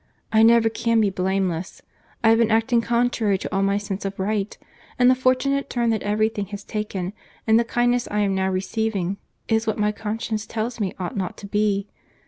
I never can be blameless. I have been acting contrary to all my sense of right; and the fortunate turn that every thing has taken, and the kindness I am now receiving, is what my conscience tells me ought not to be.